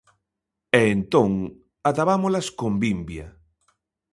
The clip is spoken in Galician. E entón atabámolas con vimbia.